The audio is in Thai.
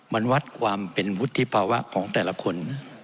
มันวัดความเป็นวุฒิภาวะของแต่ละคน